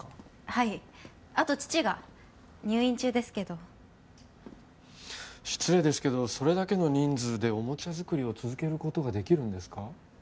はいあと父が入院中ですけど失礼ですけどそれだけの人数でおもちゃ作りを続けることができるんですか？